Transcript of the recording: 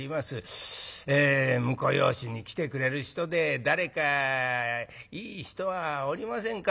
婿養子に来てくれる人で誰かいい人はおりませんか？』